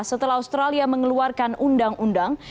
setelah australia mengeluarkan undang undang